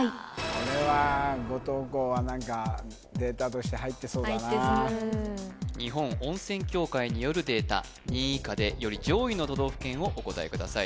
これは後藤弘はデータとして入ってそうだな日本温泉協会によるデータ２位以下でより上位の都道府県をお答えください